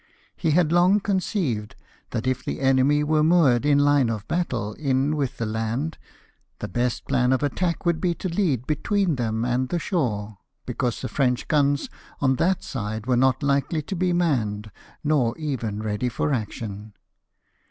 He had long conceived that if the enemy were moored in line of battle in with the land, the best plan of attack would be to lead between them and the shore, because the French guns on that side were not likely to be manned, nor even ready for action.